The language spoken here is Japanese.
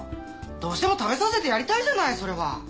どうしても食べさせてやりたいじゃないそれは。